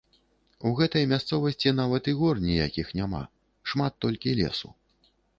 У гэтай мясцовасці нават і гор ніякіх няма, шмат толькі лесу.